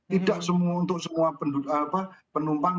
tidak untuk semua penumpang